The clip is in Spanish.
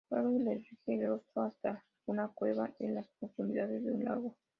Beowulf le sigue el rastro hasta una cueva en las profundidades de un lago.